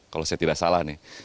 kalau saya tidak salah nih